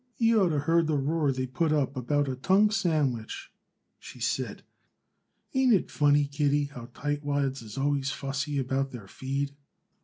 "Y'orter heard the roar they put up about a tongue sandwich," she said. "Ain't it funny, Kitty, how tightwads is always fussy about their feed?"